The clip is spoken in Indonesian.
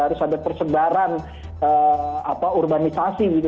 harus ada persebaran urbanisasi gitu